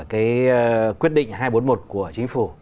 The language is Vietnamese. cái quyết định hai trăm bốn mươi một của chính phủ